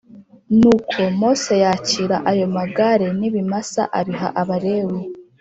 Nuko Mose yakira ayo magare n ibimasa abiha Abalewi